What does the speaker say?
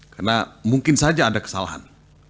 karena mungkin saja ada kesalahan